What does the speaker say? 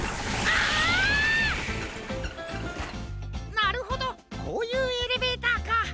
なるほどこういうエレベーターか。